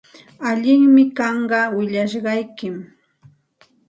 Allinmi kanqa willashqaykim.